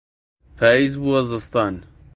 پاییز بووە زستان.